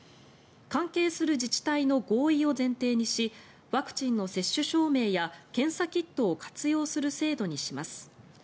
関係する自治体の合意を前提にしワクチンの接種証明や検査キットを活用する制度にします。